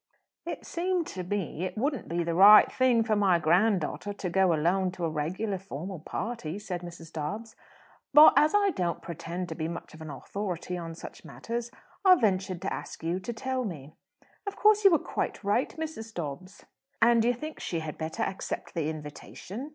"It seemed to me it wouldn't be the right thing for my grand daughter to go alone to a regular formal party," said Mrs. Dobbs. "But, as I don't pretend to be much of an authority on such matters, I ventured to ask you to tell me." "Of course you were quite right, Mrs. Dobbs." "And you think she had better accept the invitation?